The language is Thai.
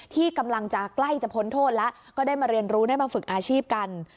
ที่กำลังจะใกล้จะพ้นโทษแล้วก็ได้มาเรียนรู้ได้มาฝึกอาชีพกัน